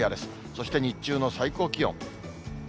そして日中の最高気温。